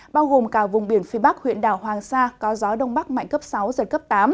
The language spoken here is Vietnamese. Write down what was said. bao gồm cả vùng biển phía bắc huyện đảo hoàng sa có gió đông bắc mạnh cấp sáu giật cấp tám